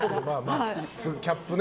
キャップね。